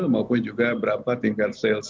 maupun juga berapa tingkat sales